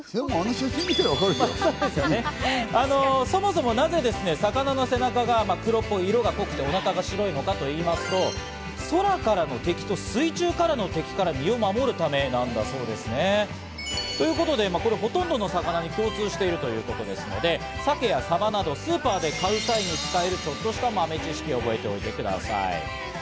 そもそも、なぜ魚の魚の背中が色が濃くてお腹が白いのかと言いますと、空からの敵と水中からの敵から身を守るためなんだそうですね。ということで、ほとんどの魚に共通しているということですので、サケやサバなどスーパーで買う際に使える、ちょっとした豆知識を覚えておいてください。